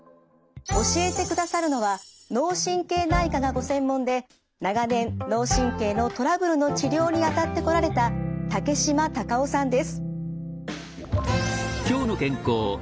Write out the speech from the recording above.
教えてくださるのは脳神経内科がご専門で長年脳神経のトラブルの治療にあたってこられた竹島多賀夫さんです。